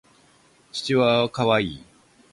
チワワは可愛い。